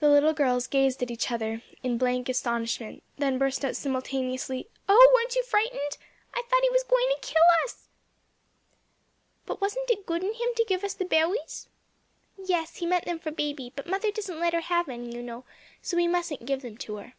The little girls gazed at each other in blank astonishment; then burst out simultaneously, "Oh, weren't you frightened? I thought he was going to kill us!" "But wasn't it good in him to give us the berries?" "Yes; he meant them for baby; but mother doesn't let her have any, you know; so we mustn't give them to her."